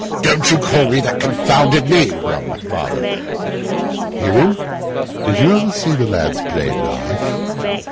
'Don't you call me that confounded name,' growled Macfarlane. 'Hear him! Did you ever see the lads play knife?